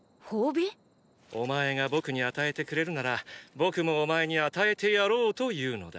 ⁉お前が僕に与えてくれるなら僕もお前に与えてやろうと言うのだ！